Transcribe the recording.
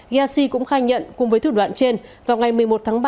gyassi cũng khai nhận cùng với thủ đoạn trên vào ngày một mươi một tháng ba